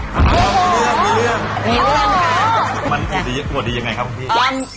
อ๋อมีเรื่องมีเรื่องมีเรื่องค่ะมันอวดดียังไงครับพี่